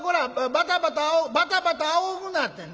バタバタバタバタあおぐなってな。